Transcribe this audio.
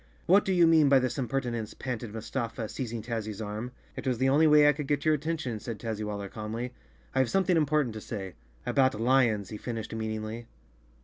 "What do you mean by this impertinence?" panted Mustafa, seizing Tazzy's arm. "It was the only way I could get your attention," said Tazzywaller calmly. "I have something impor¬ tant to say. About lions ," he finished meaningly.